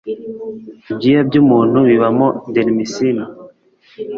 Ibyuya by'umuntu bibamo dermicin,